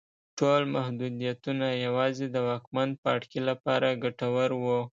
ټول محدودیتونه یوازې د واکمن پاړکي لپاره ګټور وو.